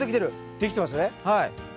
できてますね。